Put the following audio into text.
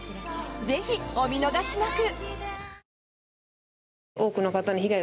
ぜひ、お見逃しなく！